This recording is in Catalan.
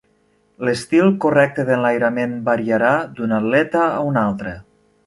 L'estil "correcte" d'enlairament variarà d'un atleta a un altre.